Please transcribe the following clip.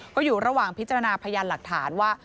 ก็อยู่ระหว่างพิจารณาพยานหลักฐานว่า